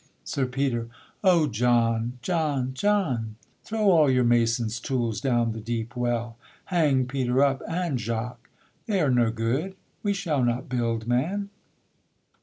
SIR PETER. O! John, John, John! Throw all your mason's tools down the deep well, Hang Peter up and Jacques; They're no good, We shall not build, man.